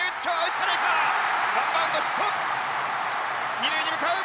二塁に向かう！